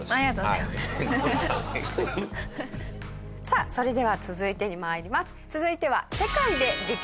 さあそれでは続いてに参ります。